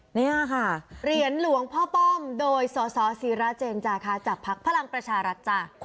เหรียญหลวงพ่อป้อมโดยสศศิราเจนจาจากภักดิ์พลังประชารัฐ